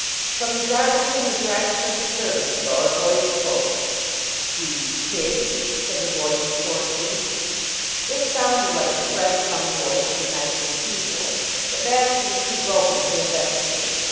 From the darkness in the direction of the servants' door a voice spoke. "Greedy pig!" said the voice scornfully. It sounded like the fresh young voice of the knife and shoe boy, but Baxter was too broken to investigate.